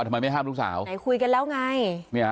อ่ะทำไมไม่ห้ามทุกสาวไหนคุยกันแล้วไงนี่ฮะ